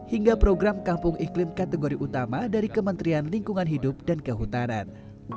hingga program kampung iklim kategori utama dari kementerian lingkungan hidup dan kehutanan